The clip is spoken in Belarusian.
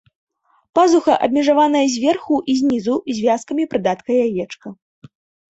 Пазуха абмежаваная зверху і знізу звязкамі прыдатка яечка.